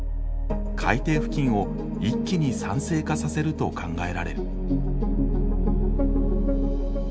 海底付近を一気に酸性化させると考えられる。